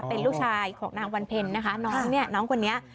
เป็นลูกชายของนางวันเพ็ญนะคะน้องเนี่ยน้องคนนี้